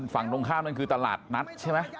ฝั่งตรงข้ามนั่นคือตลาดนัดใช่ไหม